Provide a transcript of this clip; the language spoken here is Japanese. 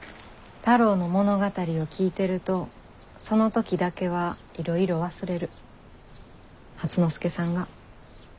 太郎の物語を聞いてるとその時だけはいろいろ忘れる。